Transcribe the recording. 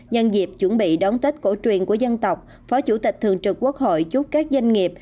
nhân dịp chuẩn bị đón tết cổ truyền của dân tộc phó chủ tịch thường trực quốc hội chúc các doanh nghiệp